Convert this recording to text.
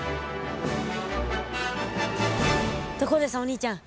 ところでさお兄ちゃん